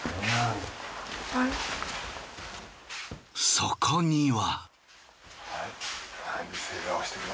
そこには。